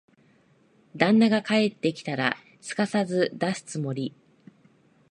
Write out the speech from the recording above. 旦那が帰ってきたら、すかさず出すつもり。